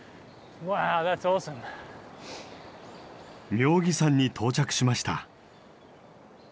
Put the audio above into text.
妙義山に到着しました。